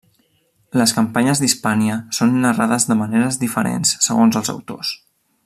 Les campanyes d'Hispània són narrades de maneres diferents segons els autors.